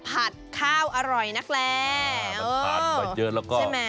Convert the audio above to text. ผัดข้าวอร่อยนักแลมันทานมาเยอะแล้วก็ใช่ไหม